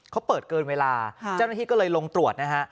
เขาเปิดเกินเวลาเจ้าหน้าที่ก็เลยลงตรวจนะฮะ